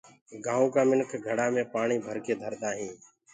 گآئونٚ ڪآ مِنک گھڙآ مي پآڻي ڀرڪي ڌردآ هينٚ